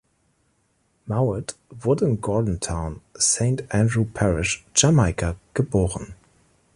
Mowatt wurde in Gordon Town, Saint Andrew Parish, Jamaika, geboren.